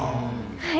はい。